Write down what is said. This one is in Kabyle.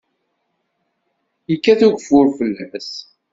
Yekkat ugeffur fell-as.